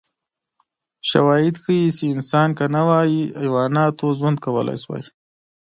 شواهد ښيي چې انسان که نه وای، حیواناتو ژوند کولای شوی.